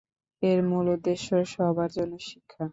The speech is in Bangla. এর মূল উদ্দেশ্য সবার জন্য শিক্ষা।